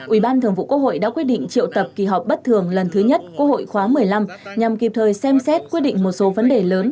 ubnd đã quyết định triệu tập kỳ họp bất thường lần thứ nhất quốc hội khóa một mươi năm nhằm kịp thời xem xét quyết định một số vấn đề lớn